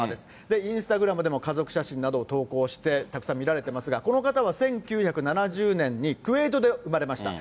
インスタグラムでも家族写真などを投稿して、たくさん見られてますが、この方は、１９７０年に、クウェートで生まれました。